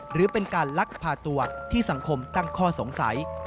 หรือเป็นการลักพาตัวที่สังคมตั้งข้อสงสัย